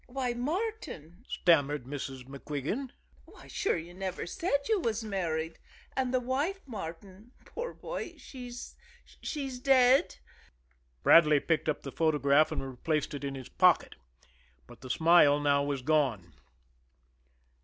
"Why why, Martin," stammered Mrs. MacQuigan, "sure you never said you was married. And the wife, Martin, poor boy, she's she's dead?" Bradley picked up the photograph and replaced it in his pocket but the smile now was gone.